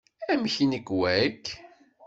Amek nnekwa-k?